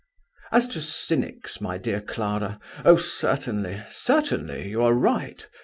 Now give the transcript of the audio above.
"As to cynics, my dear Clara, oh, certainly, certainly: you are right.